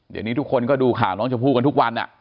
เดี๋ยวนี้ทุกคนก็ดูข่าวน้องชมพู่กันทุกวัน